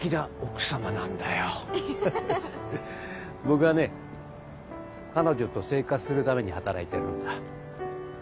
僕はね彼女と生活するために働いてるんだ。